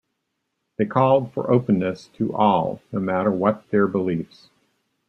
They called for openness "to all, no matter what their beliefs".